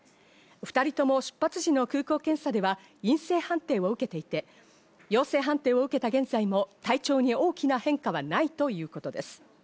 ２人とも出発時の空港検査では陰性判定を受けていて、陽性判定を受けた現在も体調に大きな変化はないということです。